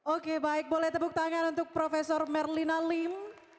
oke baik boleh tepuk tangan untuk prof merlina lim